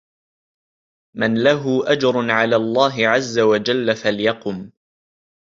مَنْ لَهُ أَجْرٌ عَلَى اللَّهِ عَزَّ وَجَلَّ فَلْيَقُمْ